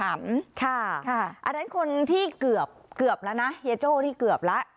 อันนั้นคนที่เกือบแล้วนะเฮียโจ้นี่เกือบแล้ว